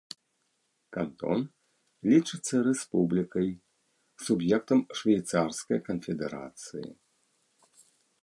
Кантон лічыцца рэспублікай, суб'ектам швейцарскай канфедэрацыі.